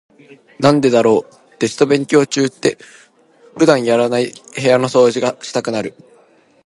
なんでだろう、テスト勉強中って普段やらない部屋の掃除がしたくなる。